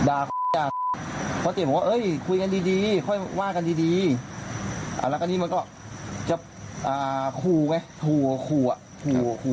อาจจะผิดหรืออีกฟังอาจจะผิด